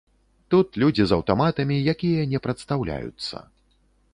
Тут людзі з аўтаматамі, якія не прадстаўляюцца.